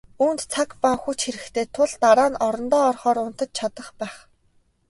Үүнд цаг ба хүч хэрэгтэй тул дараа нь орондоо орохоор унтаж чадах байх.